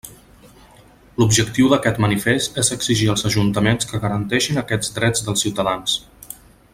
L'objectiu d'aquest manifest és exigir als ajuntaments que garanteixin aquests drets dels ciutadans.